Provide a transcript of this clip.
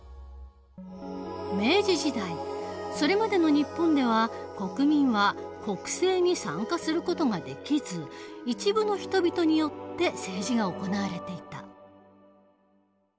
明治時代それまでの日本では国民は国政に参加する事ができず一部の人々によって政治が行われていた。